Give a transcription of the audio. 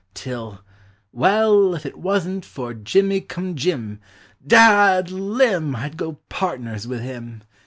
Till— well, if it wasn't for Jimmy cum Jim, Dadd ! Limb! I d go pardners with him